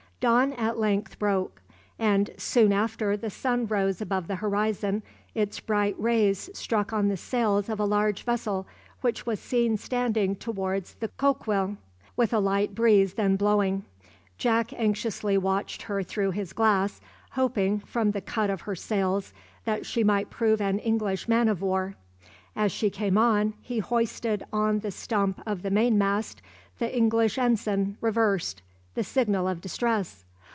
Dawn at length broke; and soon after the sun rose above the horizon its bright rays struck on the sails of a large vessel which was seen standing towards the "Coquille," with a light breeze then blowing. Jack anxiously watched her through his glass, hoping, from the cut of her sails, that she might prove an English man of war. As she came on, he hoisted on the stump of the main mast the English ensign reversed, the signal of distress.